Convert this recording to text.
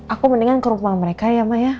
aku mendingan ke rumah mereka ya mbak ya